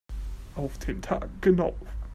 Auf den Tag genau.